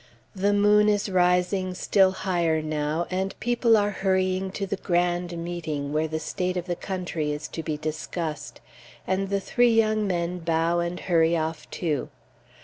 The moon is rising still higher now, and people are hurrying to the grand Meeting, where the state of the country is to be discussed, and the three young men bow and hurry off, too.